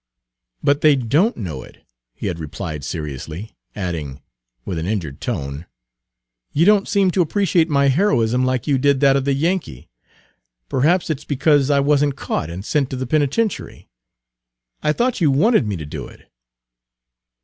"But they don't know it," he had replied seriously; adding, with an injured tone, "you Page 196 don't seem to appreciate my heroism like you did that of the Yankee; perhaps it's because I was n't caught and sent to the penitentiary. I thought you wanted me to do it."